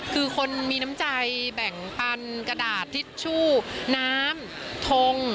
คือคนมีน้ำใจแบ่งปันกระดาษทิชชู่น้ำทง